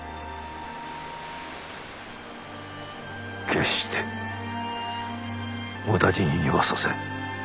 決して無駄死ににはさせぬ。